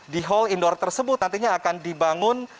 di hall indoor tersebut nantinya akan dibangun